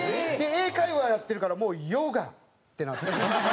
英会話やってるからもう「Ｙｏｇａ」ってなってる。